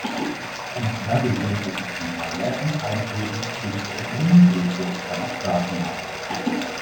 In aller Regel besitzen Weiler und Einöden wegen ihrer geringen Größe keine Straßennamen.